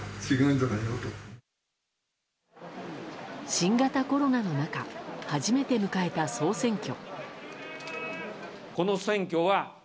新型コロナの中初めて迎えた総選挙。